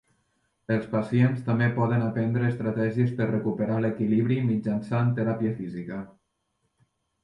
Els pacients també poden aprendre estratègies per recuperar l'equilibri mitjançant teràpia física.